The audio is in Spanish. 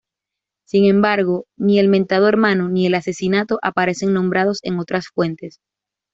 Sin embargo, ni el mentado hermano, ni el asesinato, aparecen nombrados en otras fuentes.